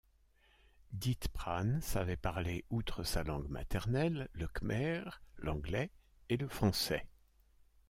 Dith Pran savait parler, outre sa langue maternelle, le khmer, l'anglais, et le français.